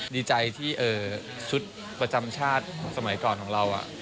ดีใจที่ชุดประจำชาติสมัยก่อนของเรา